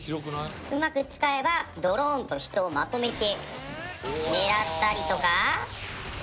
うまく使えばドローンと人をまとめて狙ったりとか。